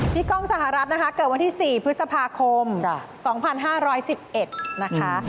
พี่ก้องสหรัฐเกิดวันที่๔พฤษภาคม๒๕๑๑นะคะ